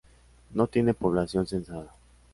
No tiene población censada.